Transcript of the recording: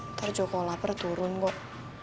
ntar joko lapar turun kok